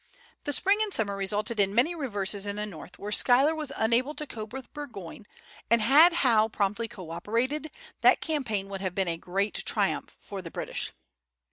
The spring and summer resulted in many reverses in the North, where Schuyler was unable to cope with Burgoyne; and had Howe promptly co operated, that campaign would have been a great triumph for the British.